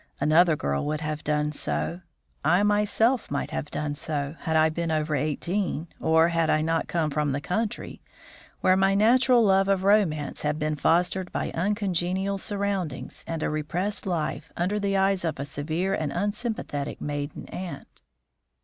Another girl would have done so. I myself might have done so, had I been over eighteen, or, had I not come from the country, where my natural love of romance had been fostered by uncongenial surroundings and a repressed life under the eyes of a severe and unsympathetic maiden aunt.